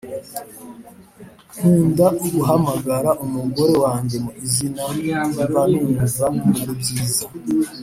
Nkuda guhamagara umugore wanjye mu izina mbanumva aribyiza